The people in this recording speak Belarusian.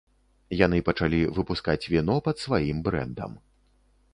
Яны пачалі выпускаць віно пад сваім брэндам.